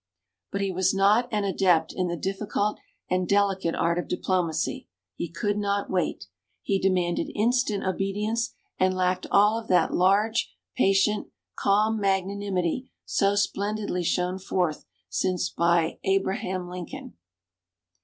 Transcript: But he was not an adept in the difficult and delicate art of diplomacy he could not wait. He demanded instant obedience, and lacked all of that large, patient, calm magnanimity so splendidly shown forth since by Abraham Lincoln.